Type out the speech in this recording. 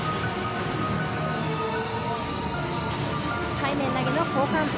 背面投げの交換。